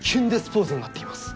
ポーズになっています